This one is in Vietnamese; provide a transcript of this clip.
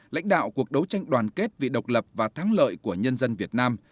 lãnh đạo cuộc đấu tranh đoàn kết vì độc lập và thắng lợi của nhân dân việt nam